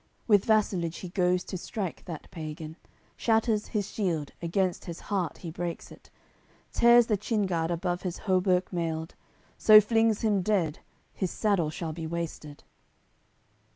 With vassalage he goes to strike that pagan, Shatters his shield, against his heart he breaks it, Tears the chin guard above his hauberk mailed; So flings him dead: his saddle shall be wasted.